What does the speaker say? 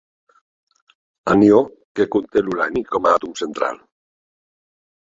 Anió que conté l'urani com a àtom central.